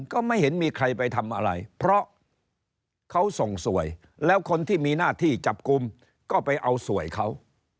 ก็ไม่เห็นมีใครไปทำอะไรเพราะเขาส่งสวยแล้วคนที่มีหน้าที่จับกลุ่มก็ไปเอาสวยเขา